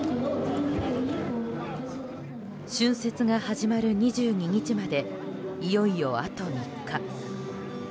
春節が始まる２２日までいよいよ、あと３日。